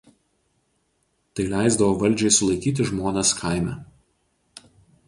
Tai leisdavo valdžiai sulaikyti žmones kaime.